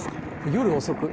夜遅く。